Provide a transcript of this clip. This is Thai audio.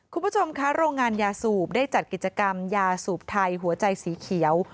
คุณผู้ชมคะโรงงานยาสูบได้จัดกิจกรรมยาสูบไทยหัวใจสีเขียว